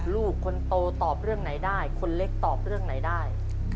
ลูกคนโตตอบเรื่องไหนได้คนเล็กตอบเรื่องไหนได้